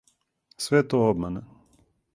Све је то обмана.